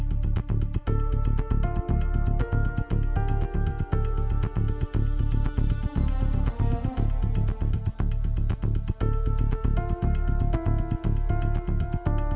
diawali dengan pelaku memukul kaban dengan sepotong besi di bagian belakang kepala